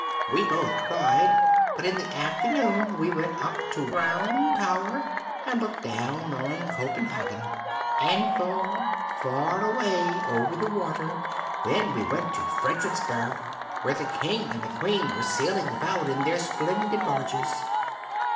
We both cried; but in the afternoon we went up the Round Tower, and looked down on Copenhagen, and far, far away over the water; then we went to Friedericksberg, where the King and the Queen were sailing about in their splendid barges.'